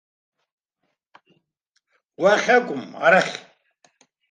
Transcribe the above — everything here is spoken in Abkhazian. Уахьакәым, арахь!